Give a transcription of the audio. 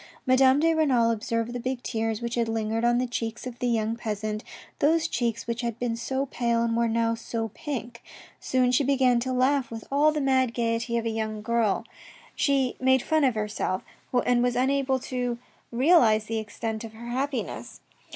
Madame de Renal observed the big tears which had lingered on the cheeks of the young peasant, those cheeks which had been so pale and were now so pink. Soon she began to laugh with all the mad gaiety of a young girl, she made fun of herself, and was unable to realise the extent of her happiness.